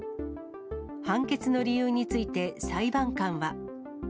判決の理由について裁判官は。